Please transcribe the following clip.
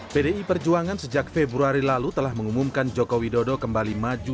pdi perjuangan sejak februari lalu telah mengumumkan joko widodo kembali maju